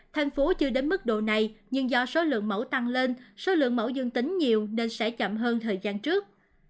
thành phố chưa đến mức độ này nhưng do số lượng mẫu tăng lên số lượng mẫu dương tính nhiều nên sẽ chậm hơn thời gian trước